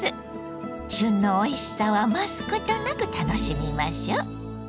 旬のおいしさを余すことなく楽しみましょ。